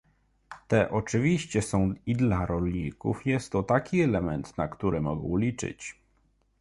Te oczywiście są i dla rolników jest to taki element, na który mogą liczyć